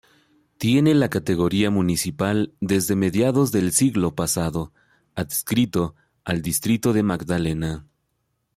Tiene la categoría municipal desde mediados del siglo pasado, adscrito al Distrito de Magdalena.